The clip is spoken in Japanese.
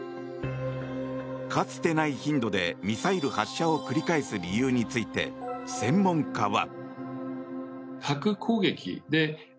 かつてない頻度でミサイル発射を繰り返す理由について、専門家は。